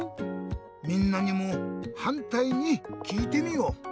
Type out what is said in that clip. みんなにもはんたいにきいてみよう。